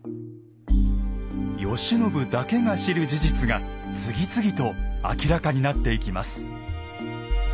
慶喜だけが知る事実が次々と明らかになっていきます。